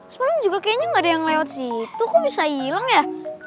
sebenarnya juga kayaknya nggak ada yang lewat situ kok bisa hilang ya